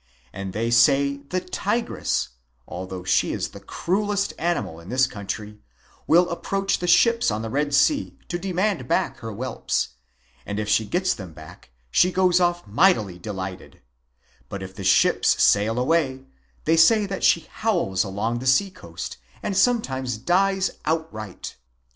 And they say the tigress, although she is the cruellest animal in this country, will approach the ships on the Red Sea, to demand back her whelps; and if she gets them back, she goes off mightily delighted; but if the ships sail away, they say that she howls along the sea coast and sometimes dies outright...